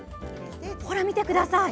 ほら、見てください！